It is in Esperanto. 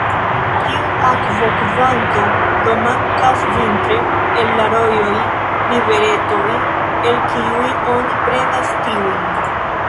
Tiu akvokvanto do mankas vintre el la rojoj, riveretoj, el kiuj oni prenas tiujn.